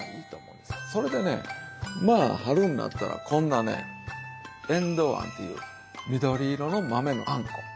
それでねまあ春になったらこんなねえんどうあんという緑色の豆のあんこ。